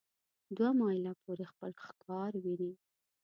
دوه مایله پورې خپل ښکار ویني.